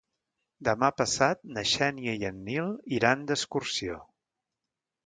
Demà passat na Xènia i en Nil iran d'excursió.